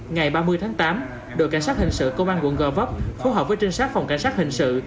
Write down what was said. ngày ba mươi tháng tám đội cảnh sát hình sự công an quận gò vấp phối hợp với trinh sát phòng cảnh sát hình sự